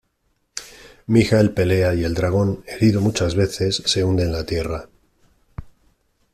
Michael pelea y el dragón, herido muchas veces, se hunde en la tierra.